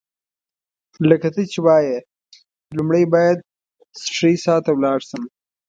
لکه ته چي وايې، لومړی باید سټریسا ته ولاړ شم.